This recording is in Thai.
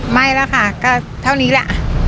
ไม่แล้วค่ะก็เท่านี้แหละ